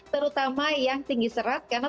terutama yang tinggi serat karena